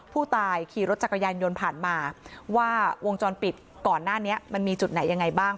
ผู้ตายขี่รถจักรยานยนต์ผ่านมาว่าวงจรปิดก่อนหน้านี้มันมีจุดไหนยังไงบ้าง